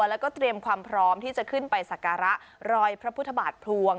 แล้วก็เตรียมความพร้อมที่จะขึ้นไปสักการะรอยพระพุทธบาทพลวง